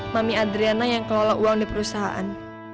mami adriana yang kelola uang di perusahaan